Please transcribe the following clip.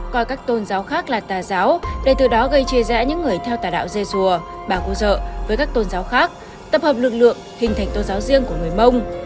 coi các tôn giáo khác là tà giáo để từ đó gây chia rẽ những người theo tà đạo dê rùa bà cô dợ với các tôn giáo khác tập hợp lực lượng hình thành tôn giáo riêng của người mông